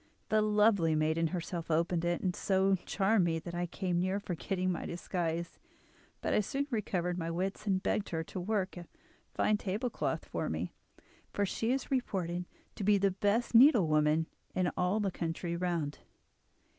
The lovely maiden herself opened it, and so charmed me that I came near forgetting my disguise; but I soon recovered my wits, and begged her to work a fine table cloth for me, for she is reported to be the best needlewoman in all the country round.